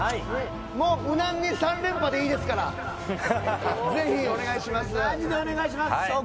もう無難に３連覇でいいですからマジでお願いします！